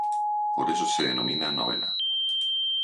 Por eso se denomina novena.